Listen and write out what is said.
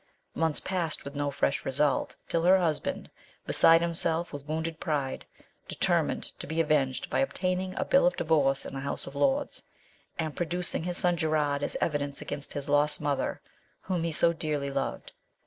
Months passed with no fresh result, till her husband, beside himself with wounded pride, determined to be avenged by obtaining a Bill of Divorce in the House of Lords, and producing his son Gerard as evidence against his lost mother, whom he so dearly loved.